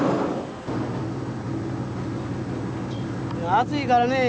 暑いからねえ